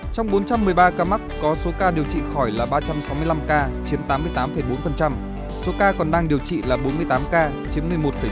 trong bốn trăm một mươi ba ca mắc có số ca điều trị khỏi là ba trăm sáu mươi năm ca chiếm tám mươi tám bốn số ca còn đang điều trị là bốn mươi tám ca chiếm một mươi một sáu